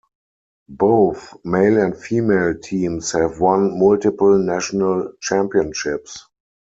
Both male and female teams have won multiple national championships.